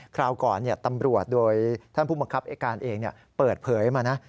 คราวก่อนตำรวจโดยท่านผู้บังคับไอ้การเองเปิดเผยมานะ